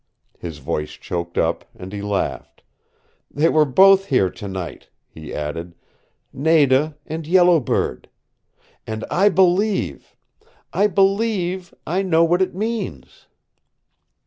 His voice choked up, and he laughed. "They were both here tonight," he added. "Nada and Yellow Bird. And I believe I believe I know what it means!"